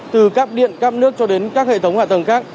từ các điện các nước cho đến các hệ thống hạ tầng khác